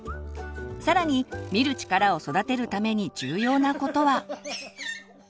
更に「見る力」を育てるために重要なことは。